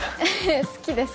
好きです。